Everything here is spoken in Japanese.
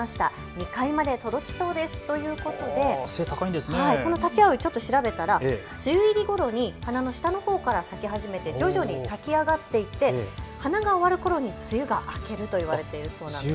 ２階まで届きそうですということで、たちあおい、ちょっと調べたら梅雨入りごろに花の下のほうから咲き始めて徐々に咲き上がっていって花が終わるころに梅雨が明けるといわれているそうなんです。